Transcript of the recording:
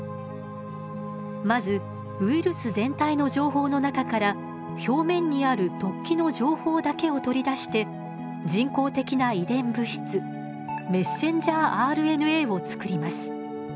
まずウイルス全体の情報の中から表面にある突起の情報だけを取り出して人工的な遺伝物質ｍＲＮＡをつくります。